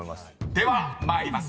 ［では参ります］